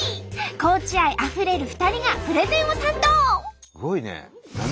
高知愛あふれる２人がプレゼンを担当！